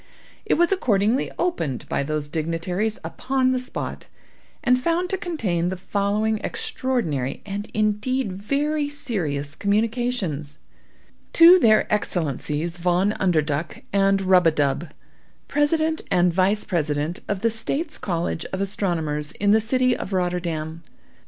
It was accordingly opened by those dignitaries upon the spot, and found to contain the following extraordinary, and indeed very serious, communication: "To their Excellencies Von Underduk and Rub a dub, President and Vice President of the States' College of Astronomers, in the city of Rotterdam.